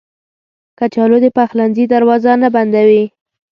کچالو د پخلنځي دروازه نه بندوي